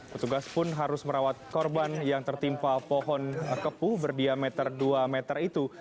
petugas pun harus merawat korban yang tertimpa pohon kepuh berdiameter dua meter itu